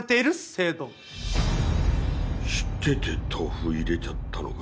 知ってて豆腐入れちゃったのか。